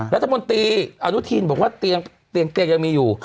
รัฐมนตรีอนุทินบอกว่าเตียงยังมีอยู่